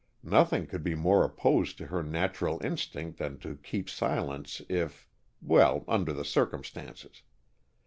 Nothing could be more opposed to her natural instinct than to keep silence if well, under the circumstances.